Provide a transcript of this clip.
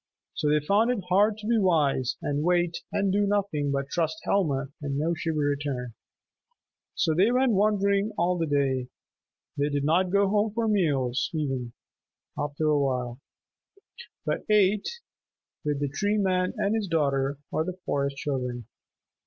So they found it hard to be wise and wait and do nothing but trust Helma and know she would return. So they went wandering all the day. They did not go home for meals, even, after a while, but ate with the Tree Man and his daughter or the Forest Children.